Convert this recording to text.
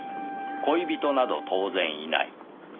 恋人など当然いない